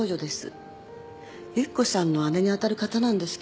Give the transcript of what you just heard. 雪子さんの姉に当たる方なんですけど。